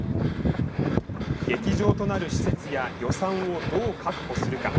劇場となる施設や、予算をどう確保するか。